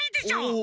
お。